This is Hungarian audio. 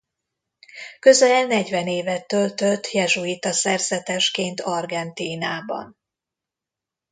Közel negyven évet töltött jezsuita szerzetesként Argentínában.